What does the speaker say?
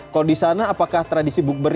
kalau di sana apakah tradisi bukber